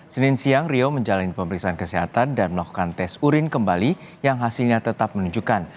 senin siang rio menjalani pemeriksaan kesehatan dan melakukan tes urin kembali yang hasilnya tetap menunjukkan